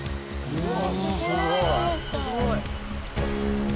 うわ！